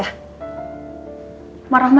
marah marah dong dia